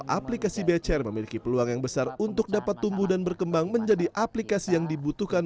aplikasi bcr memiliki peluang yang besar untuk dapat tumbuh dan berkembang menjadi aplikasi yang dibutuhkan